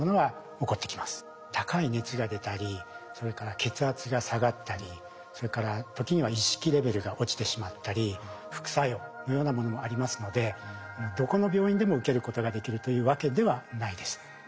高い熱が出たりそれから血圧が下がったりそれから時には意識レベルが落ちてしまったり副作用のようなものもありますのでどこの病院でも受けることができるというわけではないです。